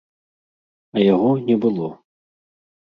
А яго не было.